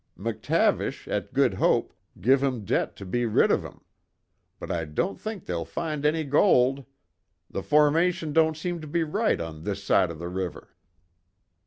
McTavish at Good Hope, give 'em debt to be rid of 'em. But I don't think they'll find any gold. The formation don't seem to be right on this side of the river."